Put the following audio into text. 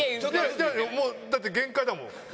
もうだって限界だもん。